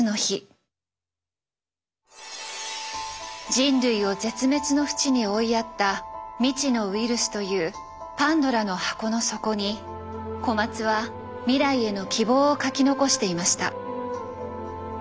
人類を絶滅のふちに追いやった未知のウイルスというパンドラの箱の底に小松は未来への希望を書き残していました。